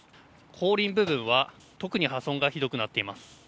後輪部分は特に破損がひどくなっています。